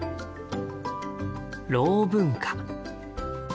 「ろう文化」。